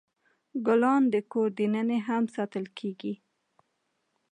ګلان د کور دننه هم ساتل کیږي.